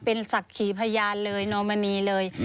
เป็นศักดิ์ขีพยานเลยนอมณีเลย